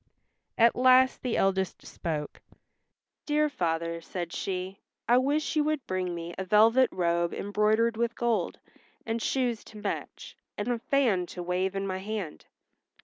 At last the eldest spoke, "Dear father," said she, "I wish you would bring me a velvet robe embroidered with gold, and shoes to match, and a fan to wave in my hand."